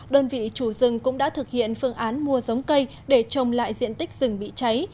đơn vị chủ rừng cũng đã thực hiện phương án mua giống cây để trồng lại diện tích rừng bị cháy